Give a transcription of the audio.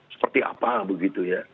seperti apa begitu ya